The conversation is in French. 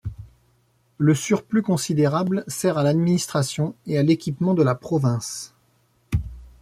Le surplus considérable sert à l'administration et à l'équipement de la province.